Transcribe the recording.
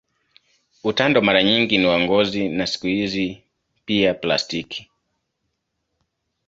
Utando mara nyingi ni wa ngozi na siku hizi pia plastiki.